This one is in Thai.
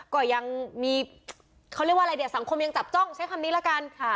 ก็ยังมีเขาเรียกว่าอะไรเนี่ยสังคมยังจับจ้องใช้คำนี้ละกัน